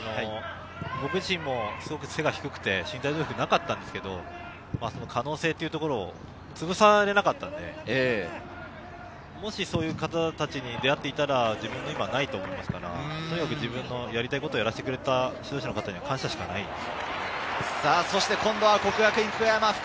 僕自身も背が低くて身体能力がなかったんですけれど、可能性というところをつぶされなかったので、もしそういう方たちに出会っていなかったら自分は今ないと思いますから、自分のやりたいことをやらせてくれた指導者の方には感謝しかないです。